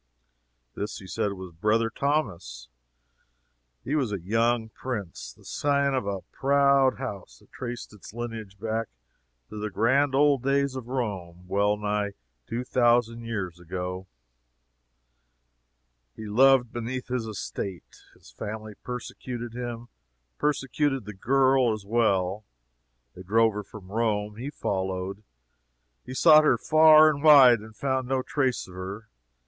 "This," he said, "was Brother Thomas. He was a young prince, the scion of a proud house that traced its lineage back to the grand old days of Rome well nigh two thousand years ago. He loved beneath his estate. His family persecuted him; persecuted the girl, as well. They drove her from Rome; he followed; he sought her far and wide; he found no trace of her.